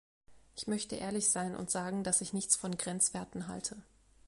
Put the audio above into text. Ich möchte ehrlich sein und sagen, dass ich nichts von Grenzwerten halte.